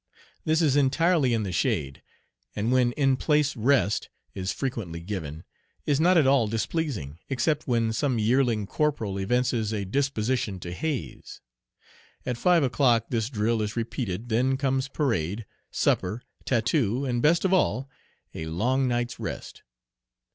This is entirely in the shade, and when "In place, rest," is frequently given, is not at all displeasing, except when some yearling corporal evinces a disposition to haze. At five o'clock this drill is repeated Then comes parade, supper, tattoo, and best of all a long night's rest.